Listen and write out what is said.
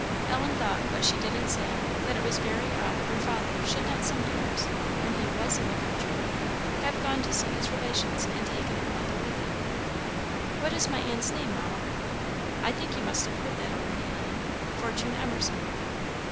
Ellen thought, but she didn't say it, that it was very odd her father should not sometimes, when he was in the country, have gone to see his relations, and taken her mother with him. "What is my aunt's name, Mamma?" "I think you must have heard that already, Ellen Fortune Emerson."